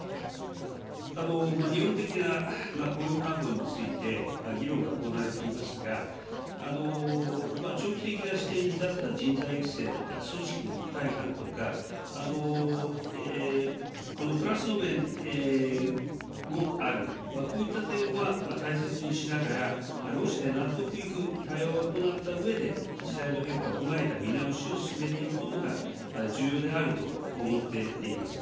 日本的な雇用慣行について、議論が行われていますが、長期的な視点に立った人材育成とか、組織の一体感とか、このプラス面もある、こういった点は大切にしながら、労使で納得いく対話を行ったうえで、時代の変化を踏まえた見直しを進めていくことが重要であると思っています。